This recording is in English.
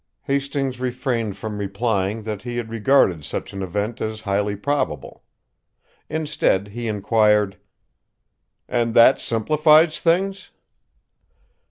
Hastings refrained from replying that he had regarded such an event as highly probable. Instead, he inquired: "And that simplifies things?"